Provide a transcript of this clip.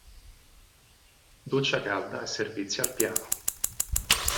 Doccia calda e servizi al piano.